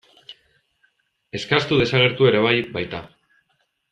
Eskastu desagertu ere bai baita.